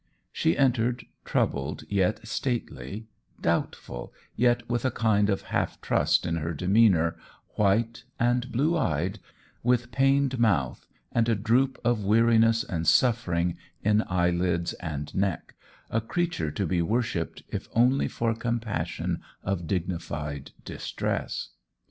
She entered, troubled yet stately, doubtful, yet with a kind of half trust in her demeanour, white, and blue eyed, with pained mouth, and a droop of weariness and suffering in eyelids and neck a creature to be worshipped if only for compassion of dignified distress.